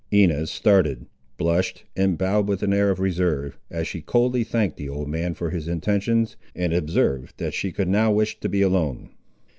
Inez started, blushed, and bowed with an air of reserve, as she coldly thanked the old man for his intentions, and observed that she could now wish to be alone.